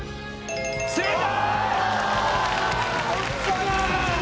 正解！